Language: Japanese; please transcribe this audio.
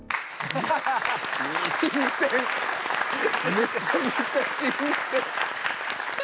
めちゃめちゃ新鮮！